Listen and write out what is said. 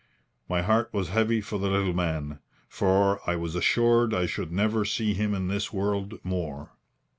My heart was heavy for the little man, for I was assured I should never see him in this world more.